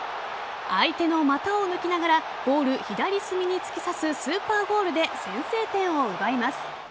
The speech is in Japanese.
相手の股を抜きながらゴール左隅に突き刺すスーパーゴールで先制点を奪います。